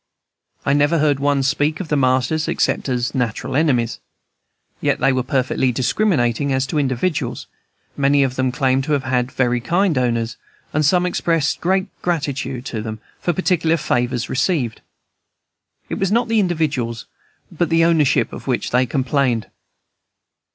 I never heard one speak of the masters except as natural enemies. Yet they were perfectly discriminating as to individuals; many of them claimed to have had kind owners, and some expressed great gratitude to them for particular favors received. It was not the individuals, but the ownership, of which they complained.